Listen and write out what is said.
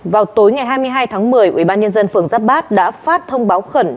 vào tối ngày hai mươi hai tháng một mươi ubnd phường giáp bát đã phát thông báo khẩn